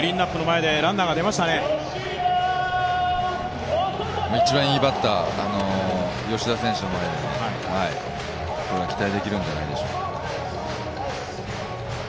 一番いいバッター、吉田選手の前にこれは期待できるんじゃないでしょうか。